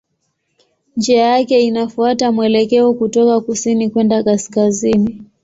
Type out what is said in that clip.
Njia yake inafuata mwelekeo kutoka kusini kwenda kaskazini.